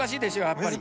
やっぱり。